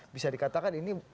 bisa dikatakan ini